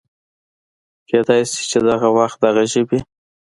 کېدی شي چې دغه وخت دغه ژبې